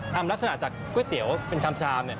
ลักษณะจากก๋วยเตี๋ยวเป็นชาม